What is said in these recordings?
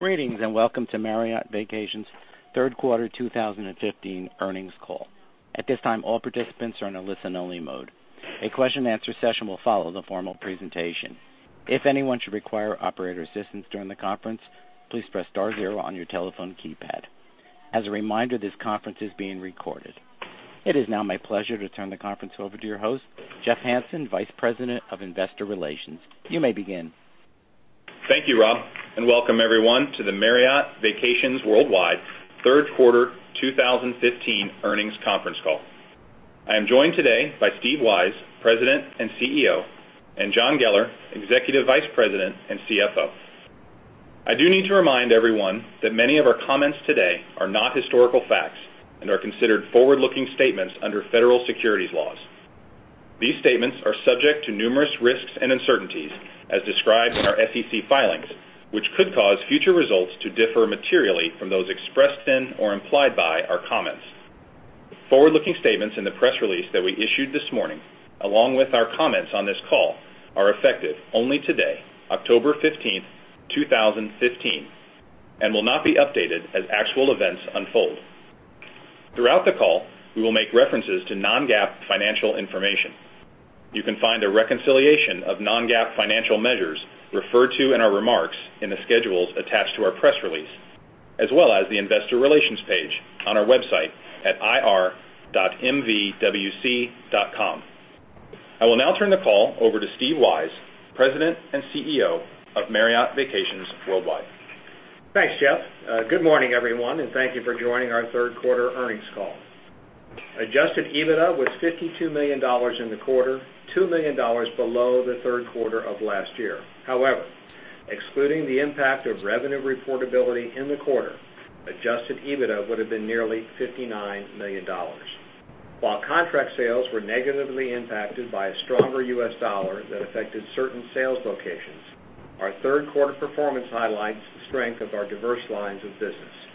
Greetings, welcome to Marriott Vacations' third quarter 2015 earnings call. At this time, all participants are in a listen-only mode. A question and answer session will follow the formal presentation. If anyone should require operator assistance during the conference, please press star zero on your telephone keypad. As a reminder, this conference is being recorded. It is now my pleasure to turn the conference over to your host, Jeff Hansen, Vice President of Investor Relations. You may begin. Thank you, Rob, welcome, everyone, to the Marriott Vacations Worldwide third quarter 2015 earnings conference call. I am joined today by Steve Weisz, President and CEO, and John Geller, Executive Vice President and CFO. I do need to remind everyone that many of our comments today are not historical facts and are considered forward-looking statements under federal securities laws. These statements are subject to numerous risks and uncertainties, as described in our SEC filings, which could cause future results to differ materially from those expressed in or implied by our comments. The forward-looking statements in the press release that we issued this morning, along with our comments on this call, are effective only today, October 15th, 2015, and will not be updated as actual events unfold. Throughout the call, we will make references to non-GAAP financial information. You can find a reconciliation of non-GAAP financial measures referred to in our remarks in the schedules attached to our press release, as well as the investor relations page on our website at ir.mvwc.com. I will now turn the call over to Steve Weisz, President and CEO of Marriott Vacations Worldwide. Thanks, Jeff. Good morning, everyone, thank you for joining our third quarter earnings call. Adjusted EBITDA was $52 million in the quarter, $2 million below the third quarter of last year. However, excluding the impact of revenue reportability in the quarter, adjusted EBITDA would have been nearly $59 million. While contract sales were negatively impacted by a stronger U.S. dollar that affected certain sales locations, our third quarter performance highlights the strength of our diverse lines of business.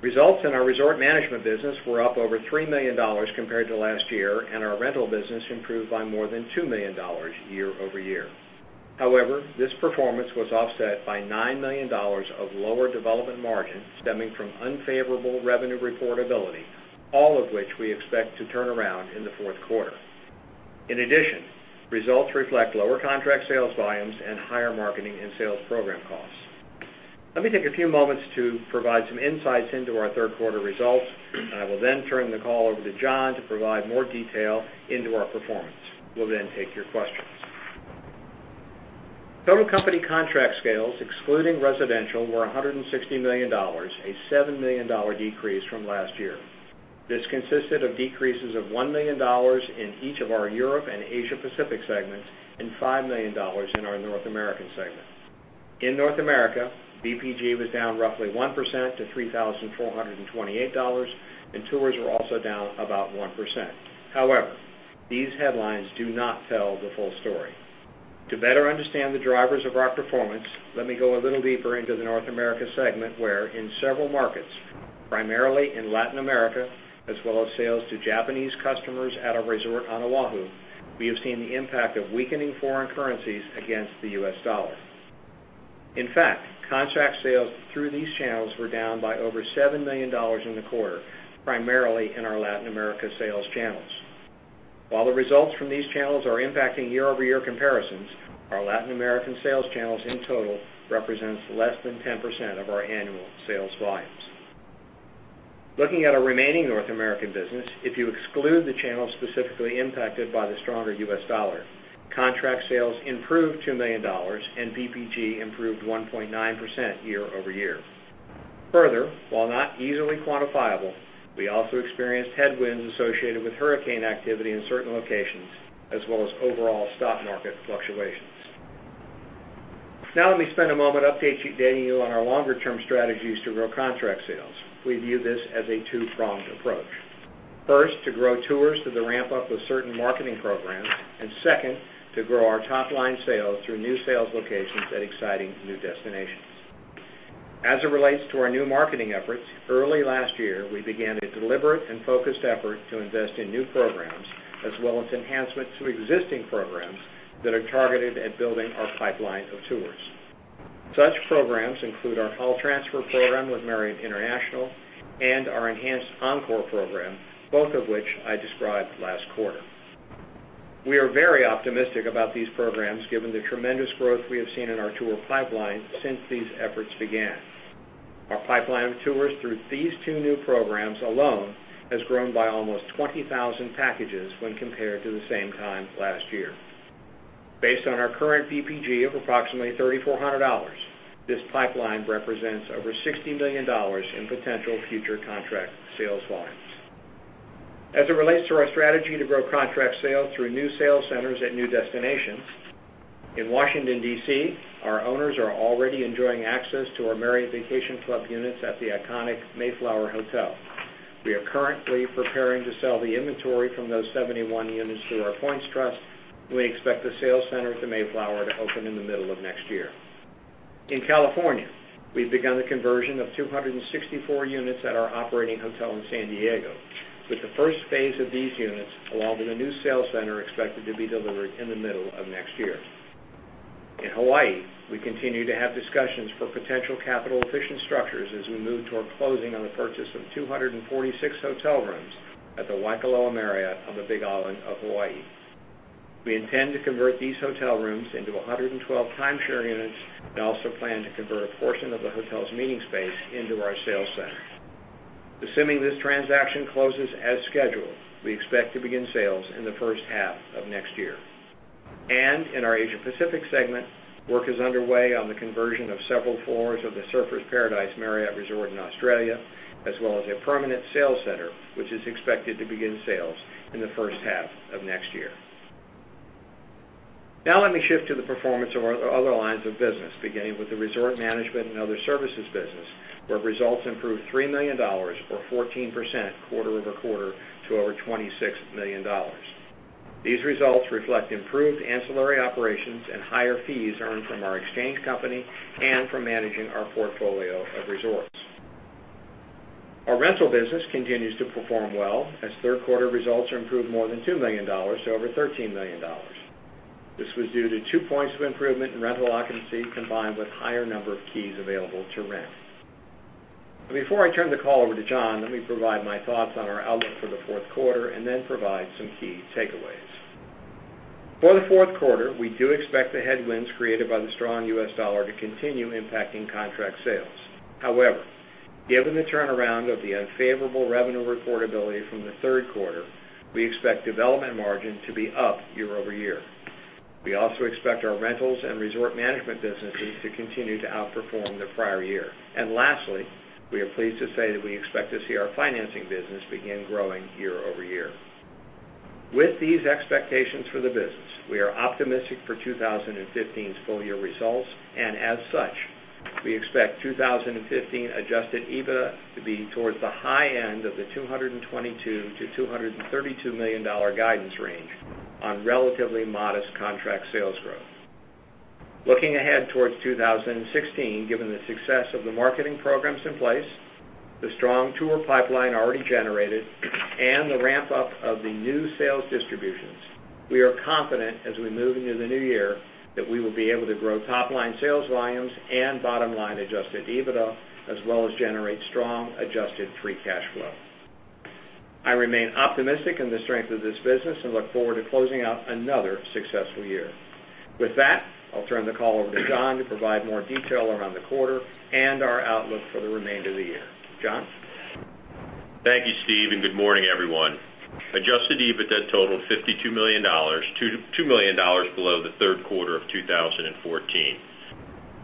Results in our resort management business were up over $3 million compared to last year, and our rental business improved by more than $2 million year-over-year. However, this performance was offset by $9 million of lower development margin stemming from unfavorable revenue reportability, all of which we expect to turn around in the fourth quarter. In addition, results reflect lower contract sales volumes and higher marketing and sales program costs. Let me take a few moments to provide some insights into our third quarter results. I will then turn the call over to John to provide more detail into our performance. We will then take your questions. Total company contract sales, excluding residential, were $160 million, a $7 million decrease from last year. This consisted of decreases of $1 million in each of our Europe and Asia Pacific segments and $5 million in our North American segment. In North America, BPG was down roughly 1% to $3,428, and tours were also down about 1%. These headlines do not tell the full story. To better understand the drivers of our performance, let me go a little deeper into the North America segment, where in several markets, primarily in Latin America, as well as sales to Japanese customers at a resort on Oahu, we have seen the impact of weakening foreign currencies against the U.S. dollar. In fact, contract sales through these channels were down by over $7 million in the quarter, primarily in our Latin American sales channels. While the results from these channels are impacting year-over-year comparisons, our Latin American sales channels in total represents less than 10% of our annual sales volumes. Looking at our remaining North American business, if you exclude the channels specifically impacted by the stronger U.S. dollar, contract sales improved $2 million and BPG improved 1.9% year-over-year. While not easily quantifiable, we also experienced headwinds associated with hurricane activity in certain locations as well as overall stock market fluctuations. Let me spend a moment updating you on our longer-term strategies to grow contract sales. We view this as a two-pronged approach. First, to grow tours through the ramp-up of certain marketing programs. Second, to grow our top-line sales through new sales locations at exciting new destinations. As it relates to our new marketing efforts, early last year, we began a deliberate and focused effort to invest in new programs, as well as enhancements to existing programs that are targeted at building our pipeline of tours. Such programs include our call transfer program with Marriott International and our enhanced Encore program, both of which I described last quarter. We are very optimistic about these programs given the tremendous growth we have seen in our tour pipeline since these efforts began. Our pipeline of tours through these two new programs alone has grown by almost 20,000 packages when compared to the same time last year. Based on our current BPG of approximately $3,400, this pipeline represents over $60 million in potential future contract sales volumes. As it relates to our strategy to grow contract sales through new sales centers at new destinations, in Washington, D.C., our owners are already enjoying access to our Marriott Vacation Club units at the iconic Mayflower Hotel. We are currently preparing to sell the inventory from those 71 units through our points trust. We expect the sales center at the Mayflower to open in the middle of next year. In California, we've begun the conversion of 264 units at our operating hotel in San Diego. With the first phase of these units, along with a new sales center, expected to be delivered in the middle of next year. In Hawaii, we continue to have discussions for potential capital-efficient structures as we move toward closing on the purchase of 246 hotel rooms at the Waikoloa Marriott on the Big Island of Hawaii. We intend to convert these hotel rooms into 112 timeshare units and also plan to convert a portion of the hotel's meeting space into our sales center. Assuming this transaction closes as scheduled, we expect to begin sales in the first half of next year. In our Asia Pacific segment, work is underway on the conversion of several floors of the Surfers Paradise Marriott Resort in Australia, as well as a permanent sales center, which is expected to begin sales in the first half of next year. Now let me shift to the performance of our other lines of business, beginning with the resort management and other services business, where results improved $3 million, or 14%, quarter-over-quarter to over $26 million. These results reflect improved ancillary operations and higher fees earned from our exchange company and from managing our portfolio of resorts. Our rental business continues to perform well as third-quarter results are improved more than $2 million to over $13 million. This was due to two points of improvement in rental occupancy, combined with higher number of keys available to rent. Before I turn the call over to John, let me provide my thoughts on our outlook for the fourth quarter and then provide some key takeaways. For the fourth quarter, we do expect the headwinds created by the strong U.S. dollar to continue impacting contract sales. However, given the turnaround of the unfavorable revenue reportability from the third quarter, we expect development margin to be up year-over-year. We also expect our rentals and resort management businesses to continue to outperform the prior year. Lastly, we are pleased to say that we expect to see our financing business begin growing year-over-year. With these expectations for the business, we are optimistic for 2015's full-year results, and as such, we expect 2015 adjusted EBITDA to be towards the high end of the $222 million-$232 million guidance range on relatively modest contract sales growth. Looking ahead towards 2016, given the success of the marketing programs in place, the strong tour pipeline already generated, and the ramp-up of the new sales distributions, we are confident as we move into the new year that we will be able to grow top-line sales volumes and bottom-line adjusted EBITDA, as well as generate strong adjusted free cash flow. I remain optimistic in the strength of this business and look forward to closing out another successful year. With that, I'll turn the call over to John to provide more detail around the quarter and our outlook for the remainder of the year. John? Thank you, Steve, and good morning, everyone. Adjusted EBITDA totaled $52 million, $2 million below the third quarter of 2014.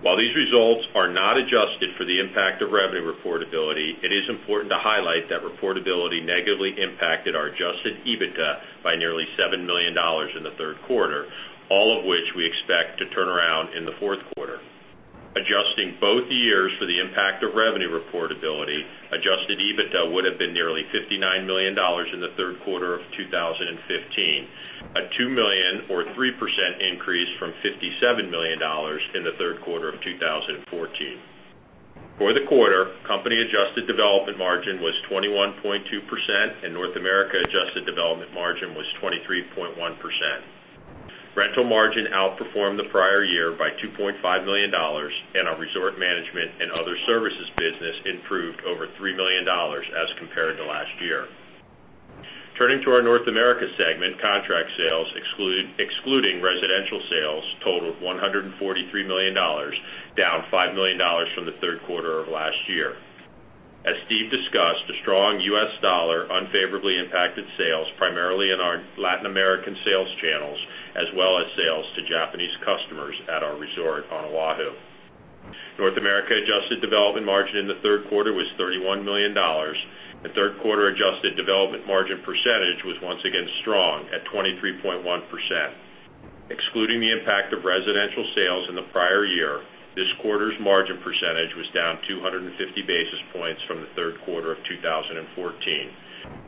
While these results are not adjusted for the impact of revenue reportability, it is important to highlight that reportability negatively impacted our adjusted EBITDA by nearly $7 million in the third quarter, all of which we expect to turn around in the fourth quarter. Adjusting both years for the impact of revenue reportability, adjusted EBITDA would've been nearly $59 million in the third quarter of 2015, a $2 million or 3% increase from $57 million in the third quarter of 2014. For the quarter, company-adjusted development margin was 21.2%, and North America adjusted development margin was 23.1%. Rental margin outperformed the prior year by $2.5 million, and our resort management and other services business improved over $3 million as compared to last year. Turning to our North America segment, contract sales excluding residential sales totaled $143 million, down $5 million from the third quarter of last year. As Steve discussed, the strong U.S. dollar unfavorably impacted sales primarily in our Latin American sales channels, as well as sales to Japanese customers at our resort on Oahu. North America adjusted development margin in the third quarter was $31 million, and third-quarter adjusted development margin percentage was once again strong at 23.1%. Excluding the impact of residential sales in the prior year, this quarter's margin percentage was down 250 basis points from the third quarter of 2014,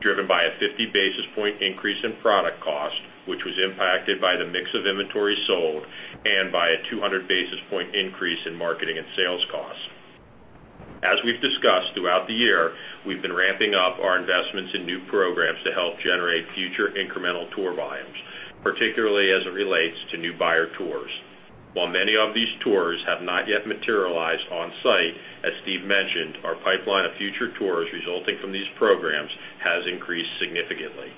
driven by a 50-basis-point increase in product cost, which was impacted by the mix of inventory sold and by a 200-basis-point increase in marketing and sales costs. As we've discussed throughout the year, we've been ramping up our investments in new programs to help generate future incremental tour volumes, particularly as it relates to new buyer tours. While many of these tours have not yet materialized on-site, as Steve mentioned, our pipeline of future tours resulting from these programs has increased significantly.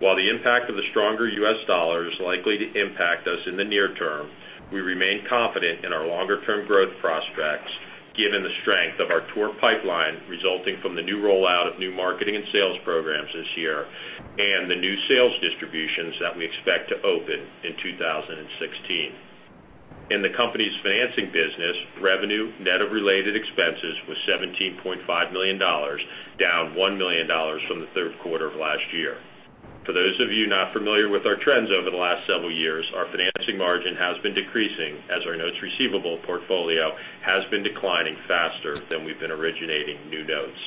While the impact of the stronger U.S. dollar is likely to impact us in the near term, we remain confident in our longer-term growth prospects given the strength of our tour pipeline resulting from the new rollout of new marketing and sales programs this year and the new sales distributions that we expect to open in 2016. In the company's financing business, revenue net of related expenses was $17.5 million, down $1 million from the third quarter of last year. For those of you not familiar with our trends over the last several years, our financing margin has been decreasing as our notes receivable portfolio has been declining faster than we've been originating new notes.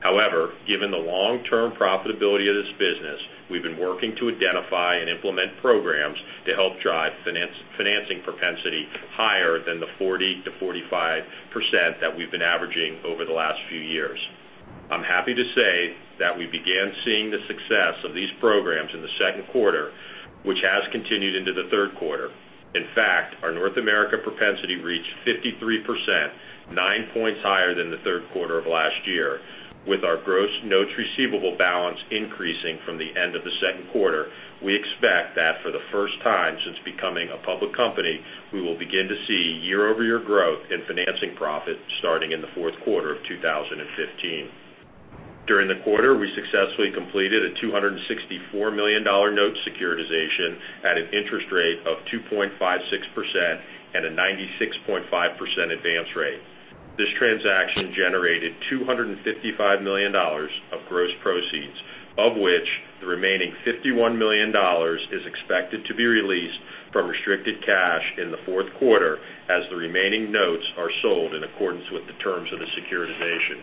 However, given the long-term profitability of this business, we've been working to identify and implement programs to help drive financing propensity higher than the 40%-45% that we've been averaging over the last few years. I'm happy to say that we began seeing the success of these programs in the second quarter, which has continued into the third quarter. In fact, our North America propensity reached 53%, nine points higher than the third quarter of last year. With our gross notes receivable balance increasing from the end of the second quarter, we expect that for the first time since becoming a public company, we will begin to see year-over-year growth in financing profit starting in the fourth quarter of 2015. During the quarter, we successfully completed a $264 million note securitization at an interest rate of 2.56% and a 96.5% advance rate. This transaction generated $255 million of gross proceeds, of which the remaining $51 million is expected to be released from restricted cash in the fourth quarter as the remaining notes are sold in accordance with the terms of the securitization.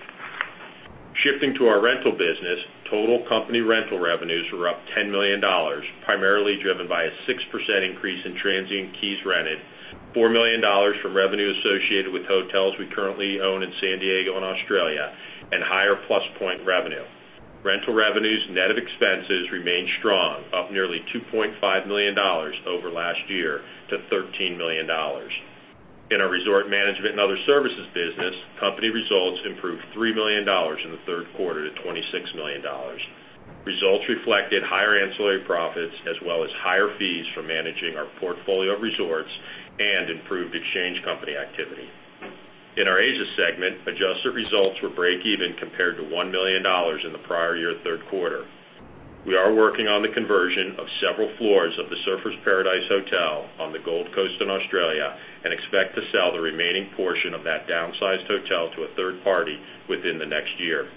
Shifting to our rental business, total company rental revenues were up $10 million, primarily driven by a 6% increase in transient keys rented, $4 million from revenue associated with hotels we currently own in San Diego and Australia, and higher Plus Point revenue. Rental revenues net of expenses remained strong, up nearly $2.5 million over last year to $13 million. In our resort management and other services business, company results improved $3 million in the third quarter to $26 million. Results reflected higher ancillary profits as well as higher fees for managing our portfolio of resorts and improved exchange company activity. In our Asia segment, adjusted results were break even compared to $1 million in the prior year third quarter. We are working on the conversion of several floors of the Surfers Paradise Hotel on the Gold Coast in Australia and expect to sell the remaining portion of that downsized hotel to a third party within the next year.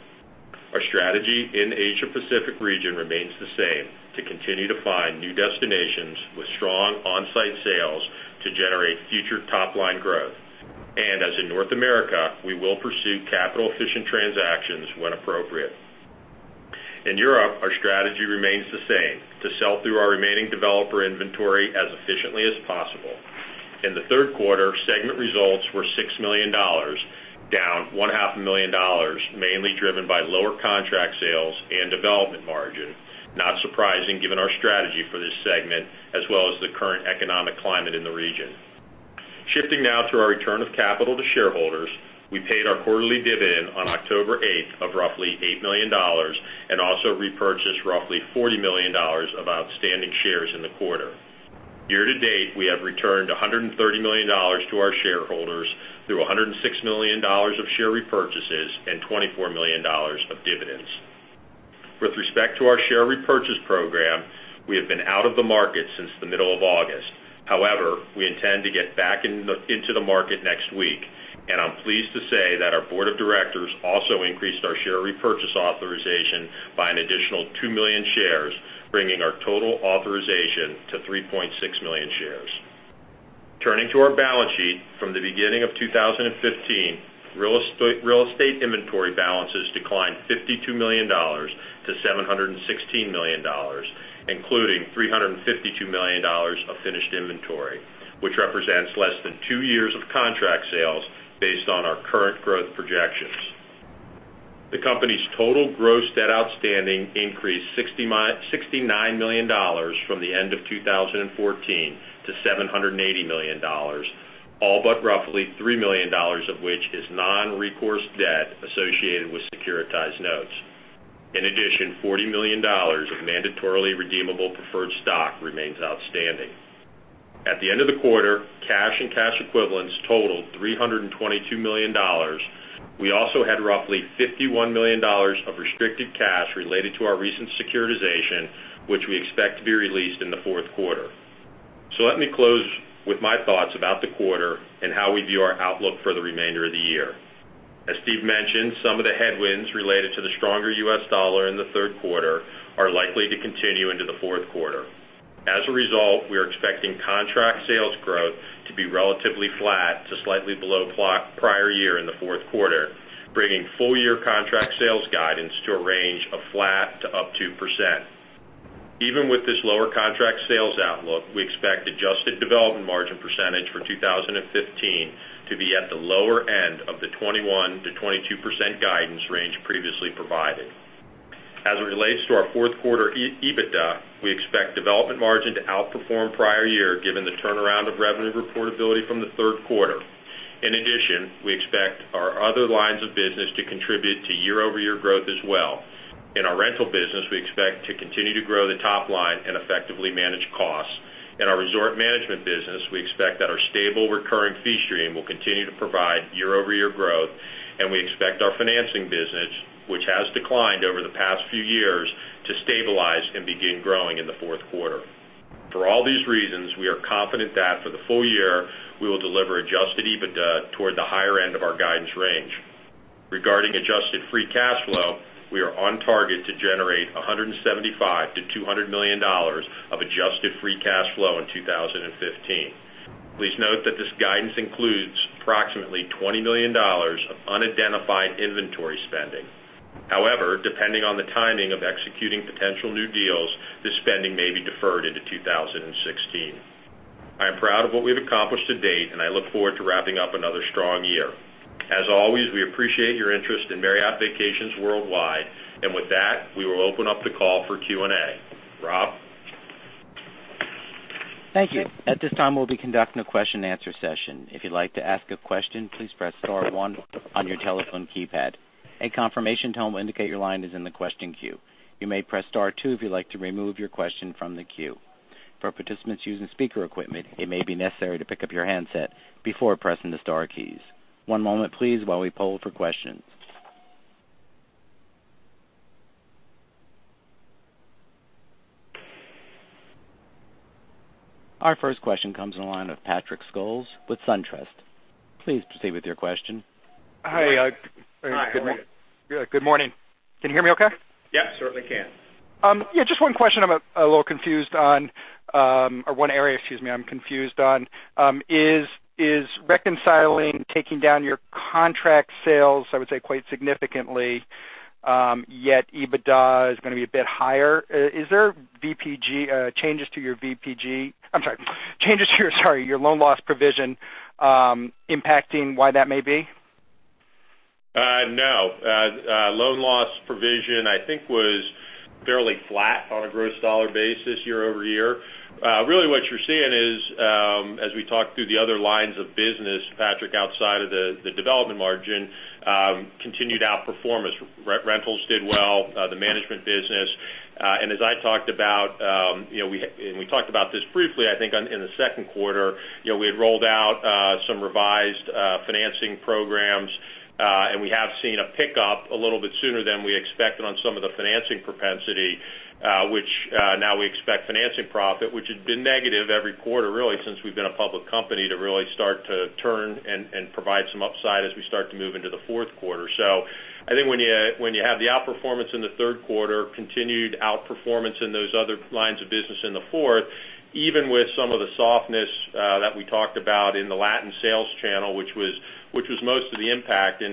Our strategy in the Asia Pacific region remains the same, to continue to find new destinations with strong on-site sales to generate future top-line growth. As in North America, we will pursue capital-efficient transactions when appropriate. In Europe, our strategy remains the same, to sell through our remaining developer inventory as efficiently as possible. In the third quarter, segment results were $6 million, down $1.5 million, mainly driven by lower contract sales and development margin, not surprising given our strategy for this segment as well as the current economic climate in the region. Shifting now to our return of capital to shareholders, we paid our quarterly dividend on October 8th of roughly $8 million and also repurchased roughly $40 million of outstanding shares in the quarter. Year to date, we have returned $130 million to our shareholders through $106 million of share repurchases and $24 million of dividends. With respect to our share repurchase program, we have been out of the market since the middle of August. However, we intend to get back into the market next week, and I'm pleased to say that our board of directors also increased our share repurchase authorization by an additional two million shares, bringing our total authorization to 3.6 million shares. Turning to our balance sheet, from the beginning of 2015, real estate inventory balances declined $52 million to $716 million, including $352 million of finished inventory, which represents less than two years of contract sales based on our current growth projections. The company's total gross debt outstanding increased $69 million from the end of 2014 to $780 million, all but roughly $3 million of which is non-recourse debt associated with securitized notes. In addition, $40 million of mandatorily redeemable preferred stock remains outstanding. At the end of the quarter, cash and cash equivalents totaled $322 million. We also had roughly $51 million of restricted cash related to our recent securitization, which we expect to be released in the fourth quarter. Let me close with my thoughts about the quarter and how we view our outlook for the remainder of the year. As Steve mentioned, some of the headwinds related to the stronger US dollar in the third quarter are likely to continue into the fourth quarter. As a result, we are expecting contract sales growth to be relatively flat to slightly below prior year in the fourth quarter, bringing full-year contract sales guidance to a range of flat to up 2%. Even with this lower contract sales outlook, we expect adjusted development margin percentage for 2015 to be at the lower end of the 21%-22% guidance range previously provided. As it relates to our fourth quarter EBITDA, we expect development margin to outperform prior year given the turnaround of revenue reportability from the third quarter. In addition, we expect our other lines of business to contribute to year-over-year growth as well. In our rental business, we expect to continue to grow the top line and effectively manage costs. In our resort management business, we expect that our stable recurring fee stream will continue to provide year-over-year growth, and we expect our financing business, which has declined over the past few years, to stabilize and begin growing in the fourth quarter. For all these reasons, we are confident that for the full year, we will deliver adjusted EBITDA toward the higher end of our guidance range. Regarding adjusted free cash flow, we are on target to generate $175 million-$200 million of adjusted free cash flow in 2015. Please note that this guidance includes approximately $20 million of unidentified inventory spending. However, depending on the timing of executing potential new deals, this spending may be deferred into 2016. I am proud of what we've accomplished to date, and I look forward to wrapping up another strong year. As always, we appreciate your interest in Marriott Vacations Worldwide. With that, we will open up the call for Q&A. Rob? Thank you. At this time, we'll be conducting a question and answer session. If you'd like to ask a question, please press star 1 on your telephone keypad. A confirmation tone will indicate your line is in the question queue. You may press star 2 if you'd like to remove your question from the queue. For participants using speaker equipment, it may be necessary to pick up your handset before pressing the star keys. One moment please while we poll for questions. Our first question comes on the line of Patrick Scholes with SunTrust. Please proceed with your question. Hi. Hi. How are you? Good morning. Can you hear me okay? Yes, certainly can. Just one question I'm a little confused on, or one area, excuse me, I'm confused on. Is reconciling taking down your contract sales, I would say, quite significantly, yet EBITDA is going to be a bit higher. Is there changes to your loan loss provision impacting why that may be? No. Loan loss provision, I think, was fairly flat on a gross dollar basis year-over-year. What you're seeing is, as we talked through the other lines of business, Patrick, outside of the development margin, continued outperformance. Rentals did well, the management business. We talked about this briefly, I think, in the second quarter. We had rolled out some revised financing programs. We have seen a pickup a little bit sooner than we expected on some of the financing propensity, which now we expect financing profit, which had been negative every quarter, really, since we've been a public company, to really start to turn and provide some upside as we start to move into the fourth quarter. I think when you have the outperformance in the third quarter, continued outperformance in those other lines of business in the fourth, even with some of the softness that we talked about in the Latin sales channel, which was most of the impact.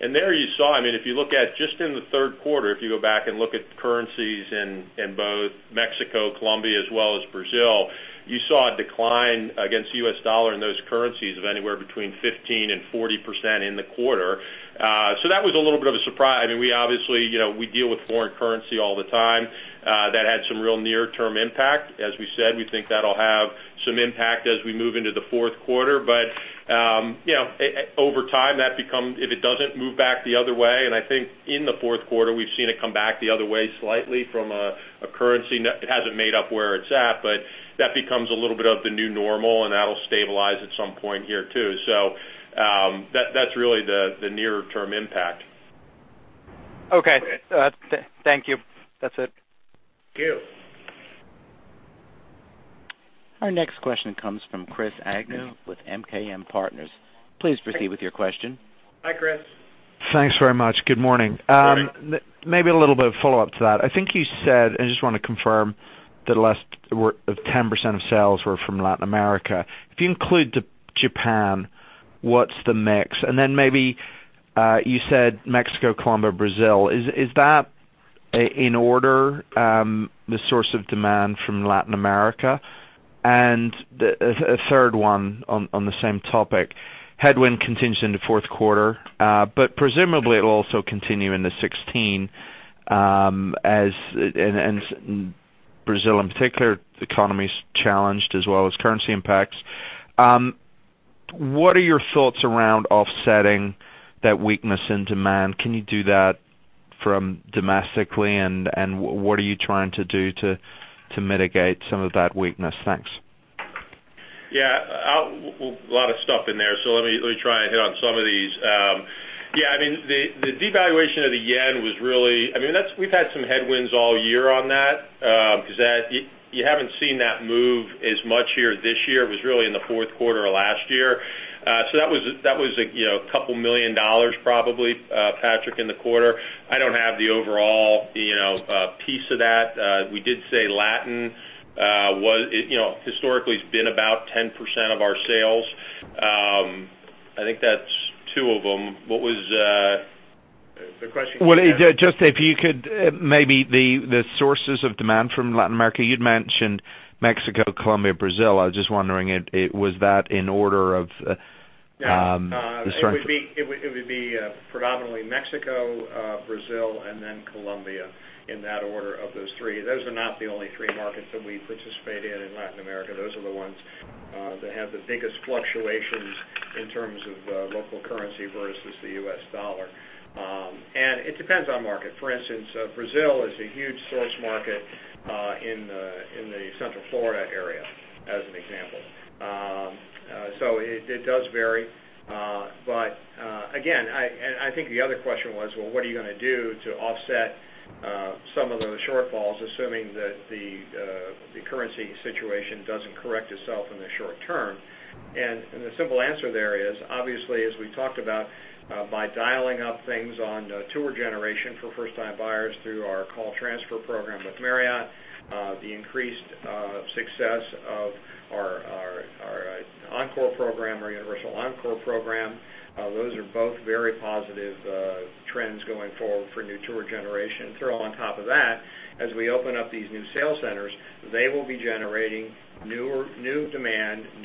There you saw, if you look at just in the third quarter, if you go back and look at currencies in both Mexico, Colombia, as well as Brazil, you saw a decline against the U.S. dollar in those currencies of anywhere between 15%-40% in the quarter. That was a little bit of a surprise. We obviously deal with foreign currency all the time. That had some real near-term impact. As we said, we think that'll have some impact as we move into the fourth quarter. Over time, if it doesn't move back the other way, I think in the fourth quarter, we've seen it come back the other way slightly from a currency. It hasn't made up where it's at, that becomes a little bit of the new normal, that'll stabilize at some point here, too. That's really the near-term impact. Okay. Thank you. That's it. Thank you. Our next question comes from Chris Agnew with MKM Partners. Please proceed with your question. Hi, Chris. Thanks very much. Good morning. Good morning. A little bit of follow-up to that. I think you said, and I just want to confirm, that the last 10% of sales were from Latin America. If you include Japan, what's the mix? Maybe you said Mexico, Colombia, Brazil. Is that in order the source of demand from Latin America? A third one on the same topic. Headwind continues into fourth quarter but presumably it will also continue into 2016, as in Brazil in particular, the economy's challenged as well as currency impacts. What are your thoughts around offsetting that weakness in demand? Can you do that from domestically, and what are you trying to do to mitigate some of that weakness? Thanks. Yeah. A lot of stuff in there, so let me try and hit on some of these. We've had some headwinds all year on that because you haven't seen that move as much here this year. It was really in the fourth quarter of last year. That was a $2 million probably, Patrick, in the quarter. I don't have the overall piece of that. We did say Latin historically has been about 10% of our sales. I think that's two of them. What was the question again? Well, just if you could, maybe the sources of demand from Latin America. You'd mentioned Mexico, Colombia, Brazil. I was just wondering, was that in order of the strength. It would be predominantly Mexico, Brazil, and then Colombia in that order of those three. Those are not the only three markets that we participate in Latin America. Those are the ones that have the biggest fluctuations in terms of local currency versus the U.S. dollar. It depends on market. For instance, Brazil is a huge source market in the Central Florida area, as an example. It does vary. Again, I think the other question was, well, what are you going to do to offset some of those shortfalls, assuming that the currency situation doesn't correct itself in the short term? The simple answer there is, obviously, as we talked about, by dialing up things on tour generation for first-time buyers through our call transfer program with Marriott, the increased success of our Encore program or Universal Encore Program, those are both very positive trends going forward for new tour generation. Throw on top of that, as we open up these new sales centers, they will be generating new demand and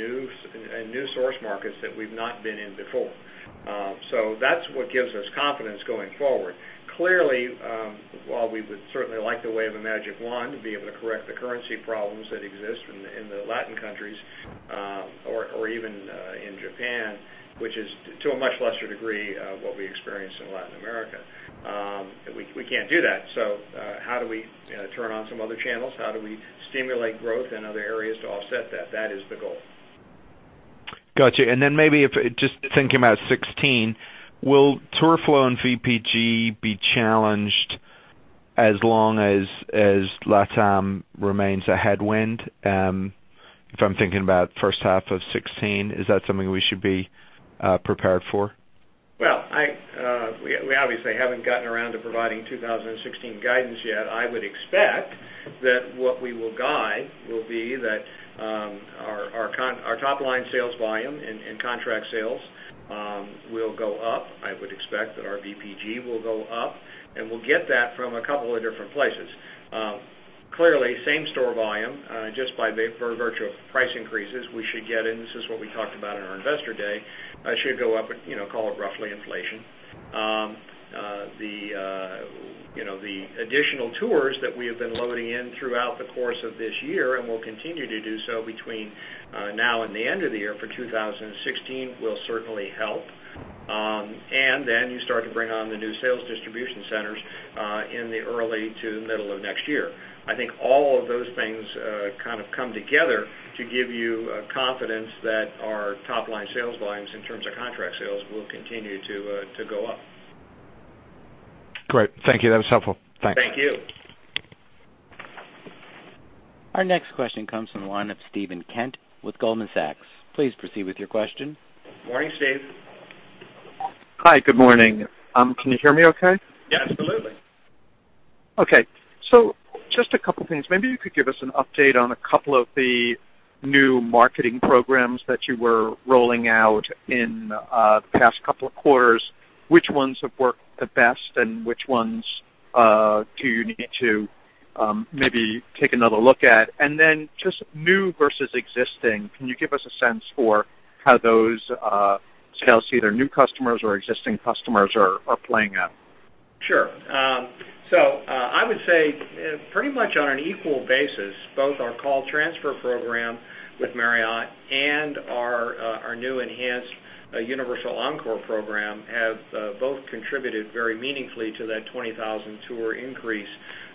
new source markets that we've not been in before. That's what gives us confidence going forward. Clearly, while we would certainly like the wave a magic wand to be able to correct the currency problems that exist in the Latin countries, or even in Japan, which is to a much lesser degree, what we experience in Latin America, we can't do that. How do we turn on some other channels? How do we stimulate growth in other areas to offset that? That is the goal. Got you. Maybe if just thinking about 2016, will tour flow and VPG be challenged as long as LATAM remains a headwind? If I'm thinking about first half of 2016, is that something we should be prepared for? We obviously haven't gotten around to providing 2016 guidance yet. I would expect that what we will guide will be that our top line sales volume and contract sales will go up. I would expect that our VPG will go up, and we'll get that from a couple of different places. Clearly, same store volume, just by virtue of price increases we should get, and this is what we talked about in our investor day, should go up, call it roughly inflation. The additional tours that we have been loading in throughout the course of this year and will continue to do so between now and the end of the year for 2016 will certainly help. You start to bring on the new sales distribution centers, in the early to middle of next year. I think all of those things kind of come together to give you confidence that our top line sales volumes, in terms of contract sales, will continue to go up. Great. Thank you. That was helpful. Thanks. Thank you. Our next question comes from the line of Steven Kent with Goldman Sachs. Please proceed with your question. Morning, Steve. Hi. Good morning. Can you hear me okay? Yes, absolutely. Okay, just a couple things. Maybe you could give us an update on a couple of the new marketing programs that you were rolling out in the past couple of quarters. Which ones have worked the best, and which ones do you need to maybe take another look at? Just new versus existing, can you give us a sense for how those sales, either new customers or existing customers, are playing out? Sure. I would say pretty much on an equal basis, both our call transfer program with Marriott and our new enhanced Universal Encore Program have both contributed very meaningfully to that 20,000 tour increase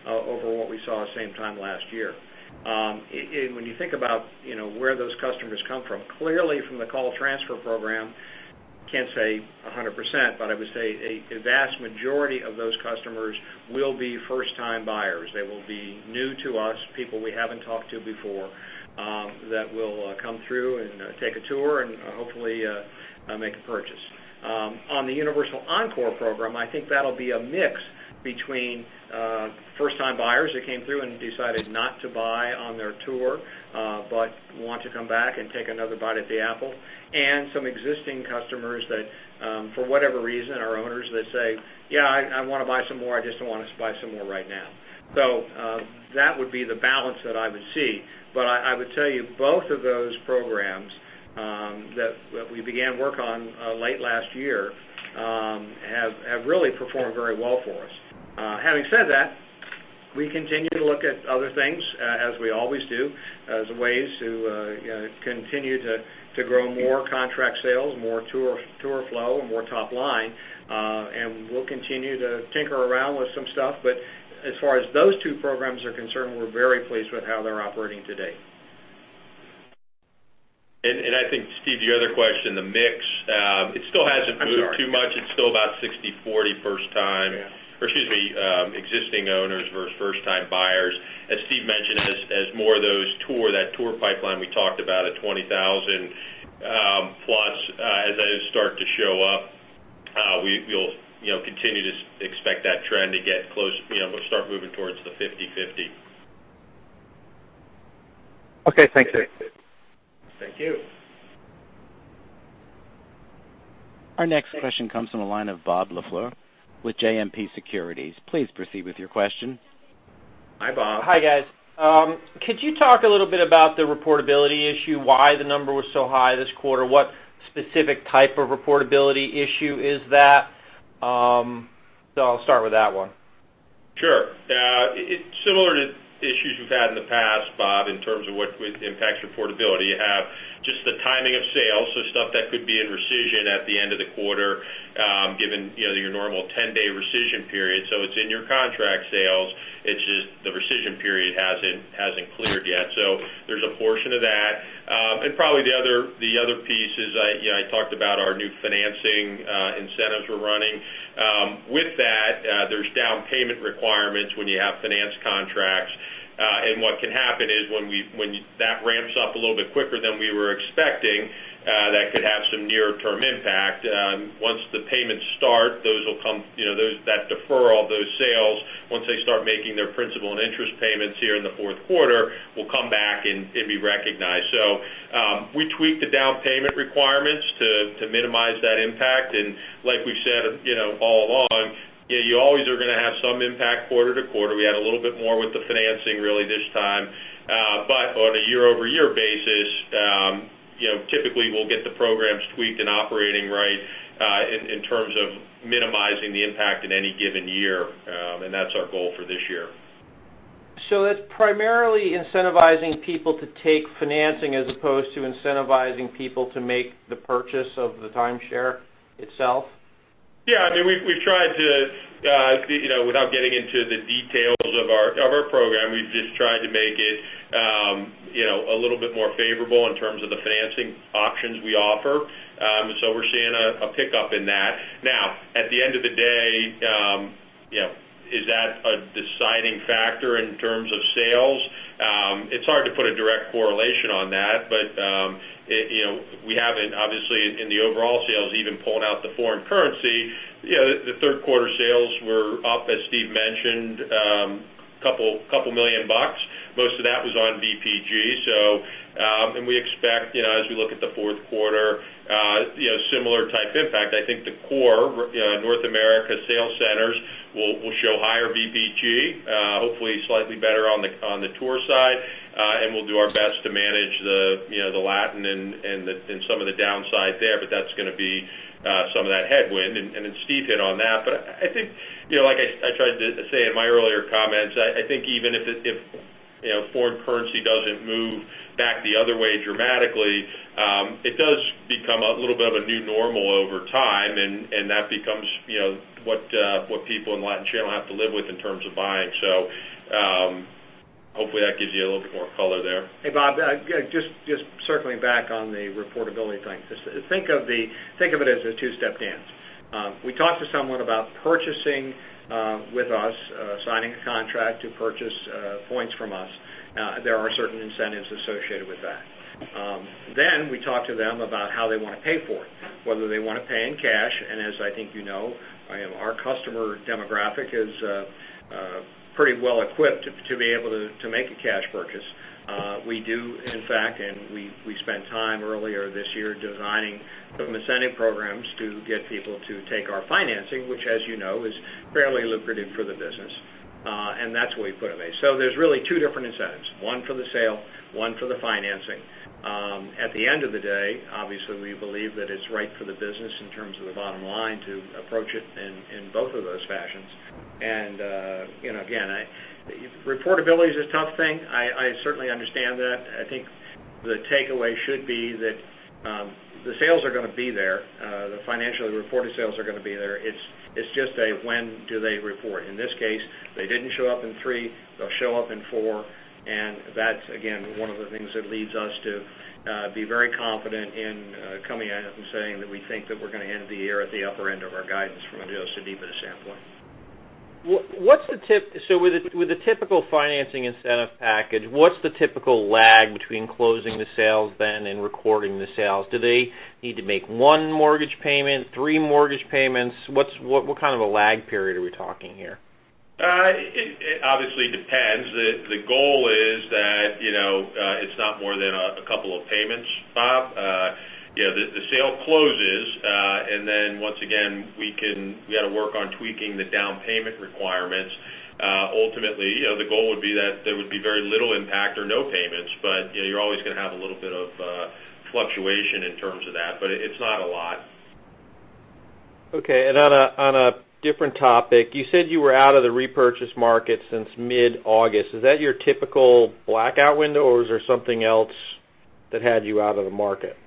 over what we saw same time last year. When you think about where those customers come from, clearly from the call transfer program, can't say 100%, but I would say a vast majority of those customers will be first-time buyers. They will be new to us, people we haven't talked to before, that will come through and take a tour and hopefully, make a purchase. On the Universal Encore Program, I think that'll be a mix between first-time buyers that came through and decided not to buy on their tour, but want to come back and take another bite at the apple, and some existing customers that, for whatever reason, are owners that say, "Yeah, I want to buy some more. I just don't want to buy some more right now." That would be the balance that I would see. I would tell you, both of those programs that we began work on late last year have really performed very well for us. Having said that, we continue to look at other things, as we always do, as ways to continue to grow more contract sales, more tour flow, and more top line. We'll continue to tinker around with some stuff. As far as those two programs are concerned, we're very pleased with how they're operating today. I think, Steve, the other question, the mix, it still hasn't- I'm sorry It's still about 60/40 existing owners versus first-time buyers. As Steve mentioned, as more of those tour, that tour pipeline we talked about at 20,000 plus, as those start to show up, we'll continue to expect that trend to start moving towards the 50/50. Okay, thanks, Steve. Thank you. Our next question comes from the line of Bob LaFleur with JMP Securities. Please proceed with your question. Hi, Bob. Hi, guys. Could you talk a little bit about the reportability issue, why the number was so high this quarter? What specific type of reportability issue is that? I'll start with that one. Sure. It's similar to issues we've had in the past, Bob, in terms of what would impact reportability. You have just the timing of sales, stuff that could be in rescission at the end of the quarter, given your normal 10-day rescission period. It's in your contract sales, it's just the rescission period hasn't cleared yet. There's a portion of that. Probably the other piece is, I talked about our new financing incentives we're running. There's down payment requirements when you have finance contracts. What can happen is when that ramps up a little bit quicker than we were expecting, that could have some near-term impact. Once the payments start, that deferral of those sales, once they start making their principal and interest payments here in the fourth quarter, will come back and be recognized. We tweaked the down payment requirements to minimize that impact. Like we've said all along, you always are going to have some impact quarter-to-quarter. We had a little bit more with the financing really this time. On a year-over-year basis, typically we'll get the programs tweaked and operating right, in terms of minimizing the impact in any given year, and that's our goal for this year. That's primarily incentivizing people to take financing as opposed to incentivizing people to make the purchase of the timeshare itself? Yeah. Without getting into the details of our program, we've just tried to make it a little bit more favorable in terms of the financing options we offer. We're seeing a pickup in that. Now, at the end of the day, is that a deciding factor in terms of sales? It's hard to put a direct correlation on that, but we have obviously in the overall sales, even pulling out the foreign currency, the third quarter sales were up, as Steve mentioned, a couple million dollars. Most of that was on VPG. We expect, as we look at the fourth quarter, similar type impact. I think the core North America sales centers will show higher VPG, hopefully slightly better on the tour side, and we'll do our best to manage the Latin and some of the downside there, but that's going to be some of that headwind. Steve hit on that. I think, like I tried to say in my earlier comments, I think even if foreign currency doesn't move back the other way dramatically, it does become a little bit of a new normal over time, and that becomes what people in Latin channel have to live with in terms of buying. Hopefully that gives you a little bit more color there. Hey, Bob, just circling back on the reportability thing. Just think of it as a two-step dance. We talk to someone about purchasing with us, signing a contract to purchase points from us. There are certain incentives associated with that. Then we talk to them about how they want to pay for it, whether they want to pay in cash, and as I think you know, our customer demographic is pretty well equipped to be able to make a cash purchase. We do, in fact, and we spent time earlier this year designing some incentive programs to get people to take our financing, which as you know, is fairly lucrative for the business. That's the way we put it. There's really two different incentives, one for the sale, one for the financing. At the end of the day, obviously, we believe that it's right for the business in terms of the bottom line to approach it in both of those fashions. Again, reportability is a tough thing. I certainly understand that. I think the takeaway should be that the sales are going to be there. The financially reported sales are going to be there. It's just a when do they report? In this case, they didn't show up in Q3, they'll show up in Q4. That's again, one of the things that leads us to be very confident in coming at it and saying that we think that we're going to end the year at the upper end of our guidance from a adjusted EBITDA standpoint. With the typical financing incentive package, what's the typical lag between closing the sales then and recording the sales? Do they need to make one mortgage payment, three mortgage payments? What kind of a lag period are we talking here? It obviously depends. The goal is that it's not more than a couple of payments, Bob. The sale closes, and then once again, we got to work on tweaking the down payment requirements. Ultimately, the goal would be that there would be very little impact or no payments, but you're always going to have a little bit of fluctuation in terms of that, but it's not a lot. Okay. On a different topic, you said you were out of the repurchase market since mid-August. Is that your typical blackout window, or is there something else that had you out of the market?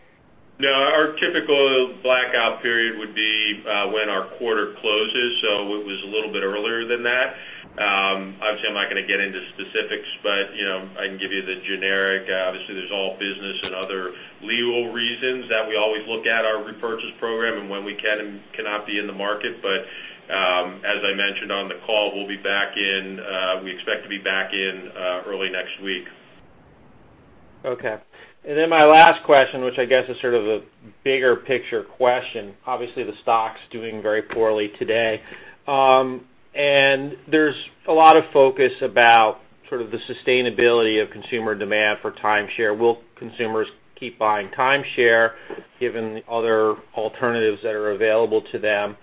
No, our typical blackout period would be when our quarter closes, so it was a little bit earlier than that. Obviously, I'm not going to get into specifics, but I can give you the generic. Obviously, there's all business and other legal reasons that we always look at our repurchase program and when we can and cannot be in the market. As I mentioned on the call, we expect to be back in early next week. Okay. My last question, which I guess is sort of a bigger picture question. Obviously, the stock's doing very poorly today. There's a lot of focus about sort of the sustainability of consumer demand for timeshare. Will consumers keep buying timeshare given the other alternatives that are available to them?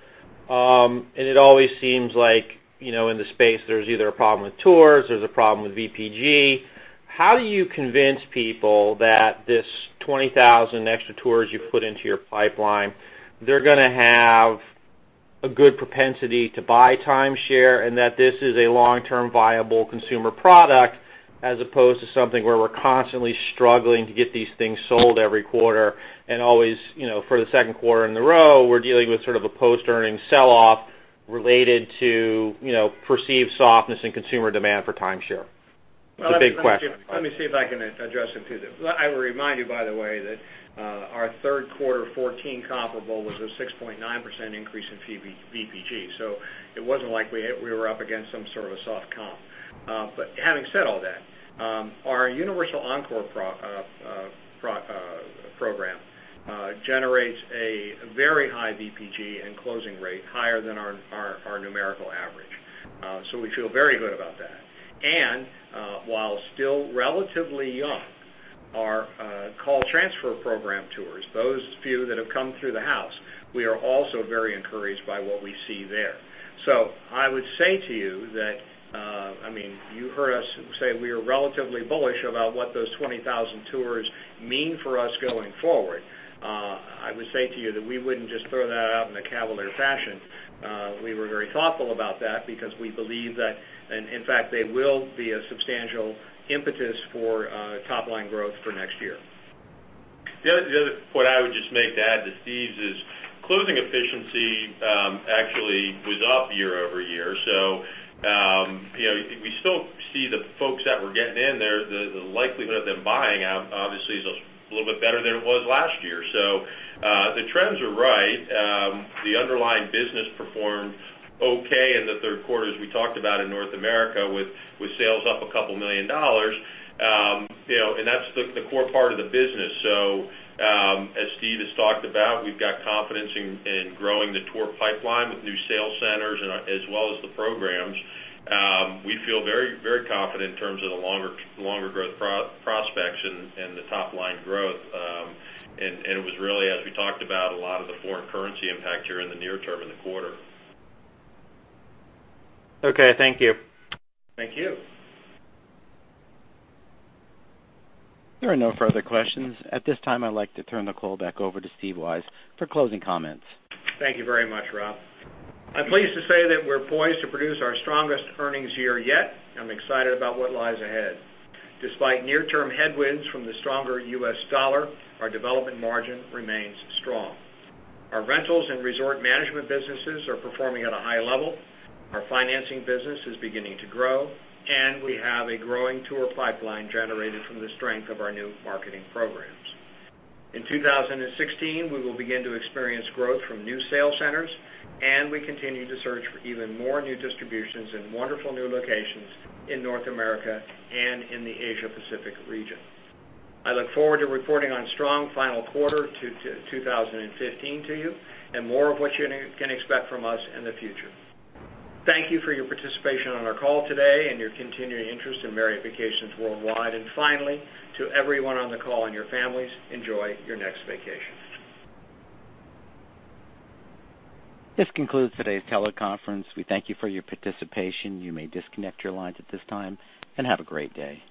It always seems like in the space, there's either a problem with tours, there's a problem with VPG. How do you convince people that this 20,000 extra tours you put into your pipeline, they're going to have a good propensity to buy timeshare, and that this is a long-term viable consumer product as opposed to something where we're constantly struggling to get these things sold every quarter and always for the second quarter in a row, we're dealing with sort of a post-earning sell-off related to perceived softness in consumer demand for timeshare? Well, let me see if I can address it too. I will remind you, by the way, that our third quarter 2014 comparable was a 6.9% increase in VPG. It wasn't like we were up against some sort of a soft comp. Having said all that, our universal Encore program generates a very high VPG and closing rate, higher than our numerical average. We feel very good about that. While still relatively young, our call transfer program tours, those few that have come through the house, we are also very encouraged by what we see there. I would say to you that, you heard us say we are relatively bullish about what those 20,000 tours mean for us going forward. I would say to you that we wouldn't just throw that out in a cavalier fashion. We were very thoughtful about that because we believe that, and in fact, they will be a substantial impetus for top-line growth for next year. The other point I would just make to add to Steve's is closing efficiency actually was up year-over-year. We still see the folks that were getting in there, the likelihood of them buying obviously is a little bit better than it was last year. The trends are right. The underlying business performed okay in the third quarter, as we talked about in North America, with sales up a couple million dollars. That's the core part of the business. As Steve has talked about, we've got confidence in growing the tour pipeline with new sales centers and as well as the programs. We feel very confident in terms of the longer growth prospects and the top-line growth. It was really, as we talked about, a lot of the foreign currency impact here in the near term in the quarter. Okay. Thank you. Thank you. There are no further questions. At this time, I'd like to turn the call back over to Steve Weisz for closing comments. Thank you very much, Rob. I'm pleased to say that we're poised to produce our strongest earnings year yet. I'm excited about what lies ahead. Despite near-term headwinds from the stronger U.S. dollar, our development margin remains strong. Our rentals and resort management businesses are performing at a high level. Our financing business is beginning to grow, and we have a growing tour pipeline generated from the strength of our new marketing programs. In 2016, we will begin to experience growth from new sale centers, and we continue to search for even more new distributions and wonderful new locations in North America and in the Asia Pacific region. I look forward to reporting on strong final quarter to 2015 to you and more of what you can expect from us in the future. Thank you for your participation on our call today and your continuing interest in Marriott Vacations Worldwide. Finally, to everyone on the call and your families, enjoy your next vacation. This concludes today's teleconference. We thank you for your participation. You may disconnect your lines at this time, and have a great day.